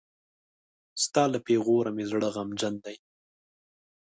ستا له پېغوره مې زړه غمجن دی.